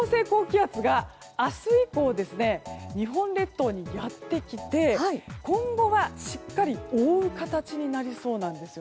明日以降日本列島にやってきて今後はしっかり覆う形になりそうなんです。